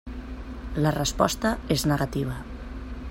La resposta és negativa.